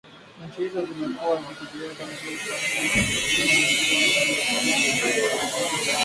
Nchi hizo zimekuwa zikijiweka vizuri kupata kivutio cha uwekezaji mkubwa wa mtaji wa kigeni na kufikia kuwa kituo cha fedha cha kieneo